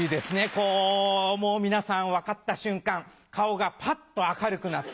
こう皆さん分かった瞬間顔がパッと明るくなって。